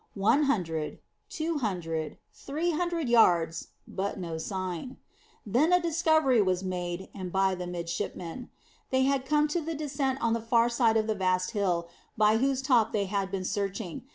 One hundred, two hundred, three hundred yards, but no sign. Then a discovery was made, and by the midshipman. They had come to the descent on the far side of the vast hill by whose top they had been searching.